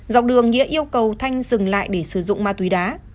dọc đường nghĩa yêu cầu thanh dừng lại để sử dụng ma túy đá